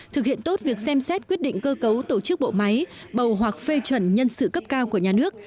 thực hiện tốt việc xem xét quyết định cơ cấu tổ chức bộ máy bầu hoặc phê chuẩn nhân sự cấp cao của nhà nước